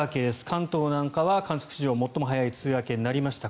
関東なんかは観測史上最も早い梅雨明けになりました。